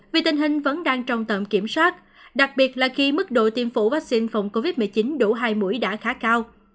vì tình hình vẫn đang trong tầm kiểm soát đặc biệt là khi mức độ tiêm phổ vaccine phòng covid một mươi chín đủ hai mũi đã khá cao